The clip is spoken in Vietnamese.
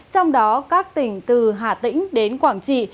trong đó các tỉnh từ hà tĩnh đến quảng trị